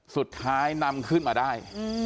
สุดท้ายนำขึ้นมาได้